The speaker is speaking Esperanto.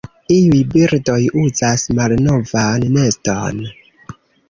Iuj birdoj uzas malnovan neston.